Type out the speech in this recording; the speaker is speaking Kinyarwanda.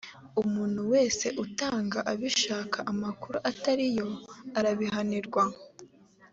umuntu wese utanga abishaka amakuru atariyo, arabihanirwa